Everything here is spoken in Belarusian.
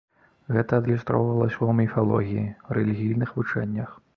Гэта адлюстроўвалася ў міфалогіі, рэлігійных вучэннях.